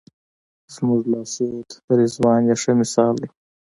زموږ لارښود رضوان یې ښه مثال دی.